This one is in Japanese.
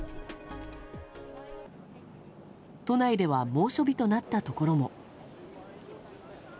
都内では猛暑日となったところも。